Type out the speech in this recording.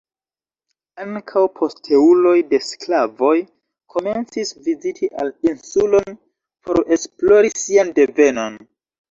Ankaŭ posteuloj de sklavoj komencis viziti al insulon por esplori sian devenon.